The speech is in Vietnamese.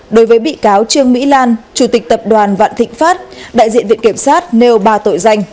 đối với bị cáo trương mỹ lan chủ tịch tập đoàn vạn thịnh pháp đại diện viện kiểm sát nêu ba tội danh